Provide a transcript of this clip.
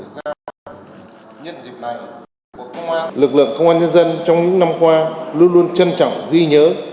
các đồng chí thương binh bệnh binh người có công là trách nhiệm của các cấp ủy đảng chính quyền